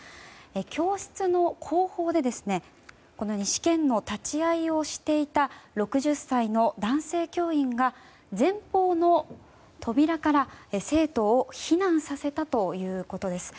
教室の後方でこのように試験の立ち会いをしていた６０歳の男性教員が前方の扉から生徒を避難させたということです。